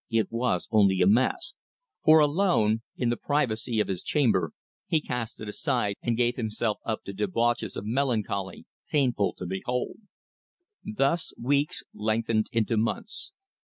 it was only a mask, for alone, in the privacy of his chamber, he cast it aside and gave himself up to debauches of melancholy painful to behold. Thus weeks lengthened into months.